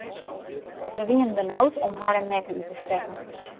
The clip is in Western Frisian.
Se wienen benaud om harren nekke út te stekken.